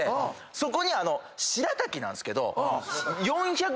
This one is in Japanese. そこにしらたきなんすけど。